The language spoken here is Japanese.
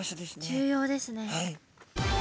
重要ですね。